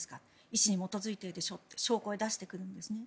意思に基づいてるでしょって証拠に出してくるんですね。